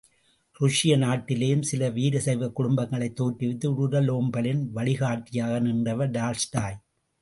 ருஷ்ய நாட்டிலேயும் சில வீரசைவக் குடும்பங்களைத் தோற்றுவித்து உடலோம்பலின் வழிகாட்டியாக நின்றவர் டால்ஸ்டாய்!